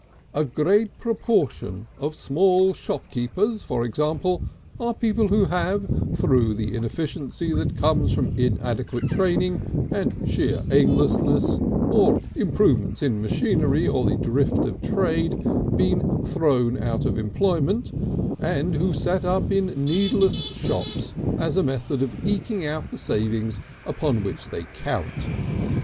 A great proportion of small shopkeepers, for example, are people who have, through the inefficiency that comes from inadequate training and sheer aimlessness, or improvements in machinery or the drift of trade, been thrown out of employment, and who set up in needless shops as a method of eking out the savings upon which they count.